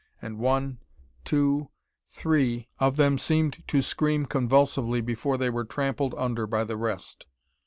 And one two three of them seemed to scream convulsively before they were trampled under by the rest.